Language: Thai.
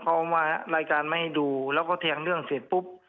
เขามารายการไม่ให้ดูแล้วก็แทงเรื่องเสร็จปุ๊บ